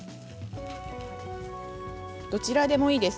どちらでもいいです